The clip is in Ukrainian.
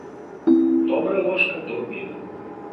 Добра ложка до обіду.